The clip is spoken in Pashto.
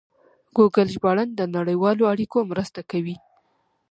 ګوګل ژباړن د نړیوالو اړیکو مرسته کوي.